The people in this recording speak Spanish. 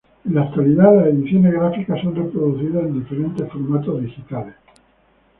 En la actualidad las ediciones gráficas son reproducidas en diferentes formatos digitales.